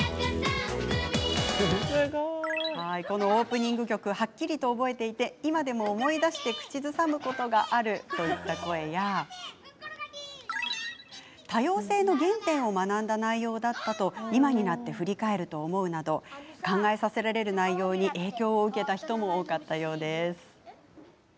オープニング曲ははっきりと覚えていて今でも思い出して口ずさむことがあるといった声や多様性の原点を学んだ内容だったと、今になって振り返ると思うなど考えさせられる内容に影響を受けた人も多かったようです。